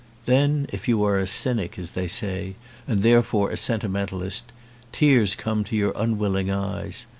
Then if you are a cynic, as they say, and therefore a sentimentalist, tears come to your unwilling eyes.